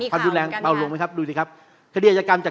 ไม่ทราบเห็นมีข่าวเหมือนกันครับ